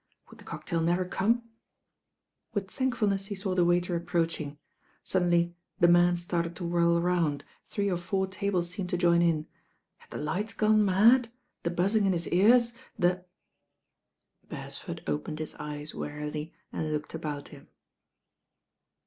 Would the cocktail never come ? With thankfulness he law the waiter approach ing. Suddenly the man started to whirl round, three or four tables seemed to join in. Had the lights gone mad, the buzzing in his ears, the Beresford opened his eyes wearily and looked about him.